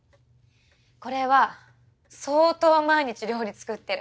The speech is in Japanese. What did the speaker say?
これは相当毎日料理作ってる。